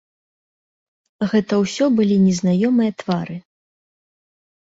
Гэта ўсё былі незнаёмыя твары.